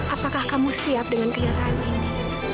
apakah kamu siap dengan kenyataan ini